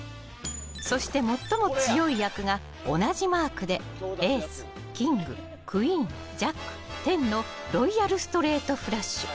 そして最も強い役が同じマークでエースクイーン、キングジャック、１０のロイヤルフラッシュ。